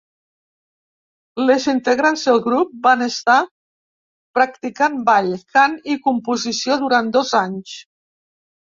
Les integrants del grup, van estar practicant ball, cant i composició durant dos anys.